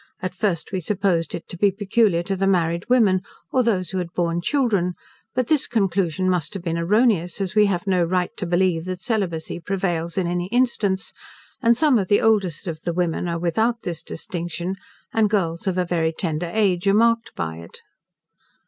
At first we supposed it to be peculiar to the married women, or those who had borne children; but this conclusion must have been erroneous, as we have no right to believe that celibacy prevails in any instance, and some of the oldest of the women are without this distinction; and girls of a very tender age are marked by it.